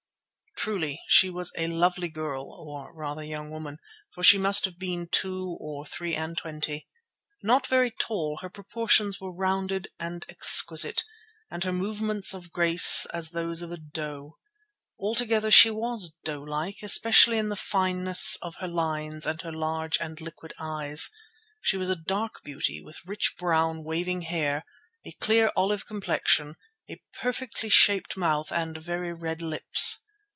Truly she was a lovely girl, or rather, young woman, for she must have been two or three and twenty. Not very tall, her proportions were rounded and exquisite, and her movements as graceful as those of a doe. Altogether she was doe like, especially in the fineness of her lines and her large and liquid eyes. She was a dark beauty, with rich brown, waving hair, a clear olive complexion, a perfectly shaped mouth and very red lips.